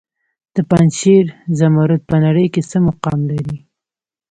د پنجشیر زمرد په نړۍ کې څه مقام لري؟